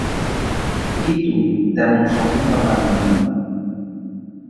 কিন্তু, তেমন সফলতা পাননি তিনি।